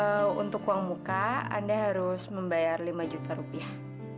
kalau untuk uang muka anda harus membayar lima juta rupiah